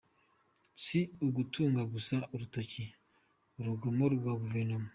Si ugutunga gusa urutoki urugomo rwa Guverinoma.